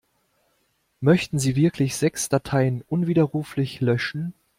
Möchten Sie wirklich sechs Dateien unwiderruflich löschen?